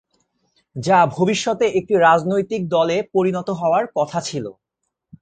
যা ভবিষ্যতে একটি রাজনৈতিক দলে পরিণত হওয়ার কথা ছিল।